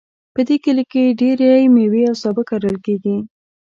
په دې کلي کې ډیری میوې او سابه کرل کیږي